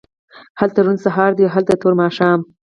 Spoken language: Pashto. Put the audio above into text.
هلته روڼ سهار دی او دلته تور ماښام